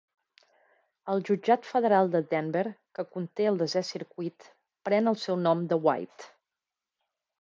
El jutjat federal de Denver que conté el desè circuit pren el seu nom de White.